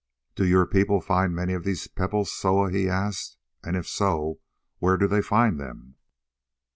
"Do your people find many of these pebbles, Soa?" he asked, "and if so, where do they find them?"